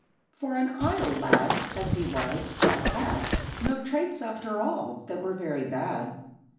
For an idle lad, As he was, Jack had No traits, after all, that were very bad.